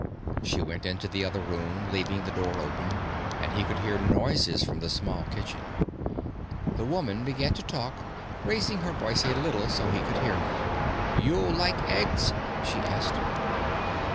She went into the other room, leaving the door open, and he could hear noises from the small kitchen. The woman began to talk, raising her voice a little so he could hear her. "You like eggs?" she asked.